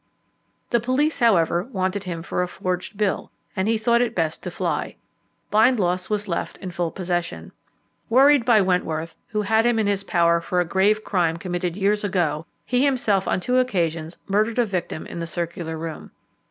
The police, however, wanted him for a forged bill, and he thought it best to fly. Bindloss was left in full possession. Worried by Wentworth, who had him in his power for a grave crime committed years ago, he himself on two occasions murdered a victim in the circular room.